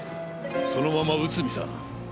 そのまま内海さん